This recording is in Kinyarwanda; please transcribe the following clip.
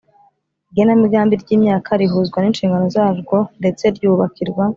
Igenamigambi ry imyaka rihuzwa n inshingano zarwo ndetse ryubakirwa